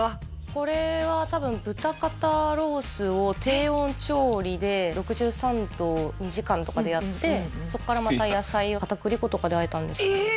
これは多分豚肩ロースを低温調理で６３度を２時間とかでやってそっからまた野菜を片栗粉とかであえたんですかねえ！